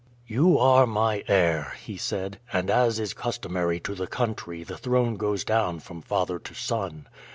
"You are my heir," he said, "and as is customary to the country the throne goes down from father to son.